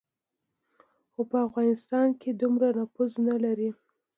خو په افغانستان کې دومره نفوذ نه لري.